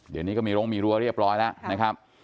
เดี๋ยวนี้ก็มีโรงมีรั้วเรียบร้อยแล้วนะครับ